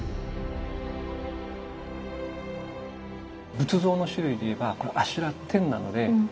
仏像の種類でいえばこれは阿修羅天なので。